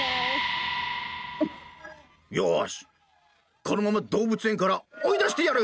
よし、このまま動物園から追い出してやる！